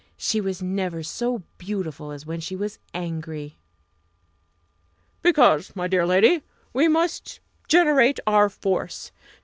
She was never so beautiful as when she was angry. "Because, my dear lady we must generate our force.